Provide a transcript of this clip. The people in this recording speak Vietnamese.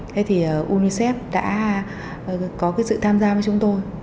thế thì unicef đã có cái sự tham gia với chúng tôi